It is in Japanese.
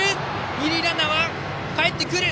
二塁ランナー、かえってくる！